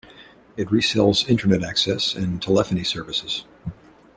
It resells internet access and telephony services.